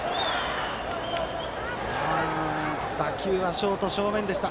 打球はショート正面でした。